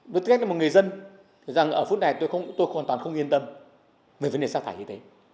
tôi thích là một người dân thì rằng ở phút này tôi không tôi hoàn toàn không yên tâm về vấn đề chất thải y tế